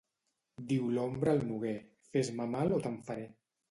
Diu l'ombra al noguer: fes-me mal o te'n faré.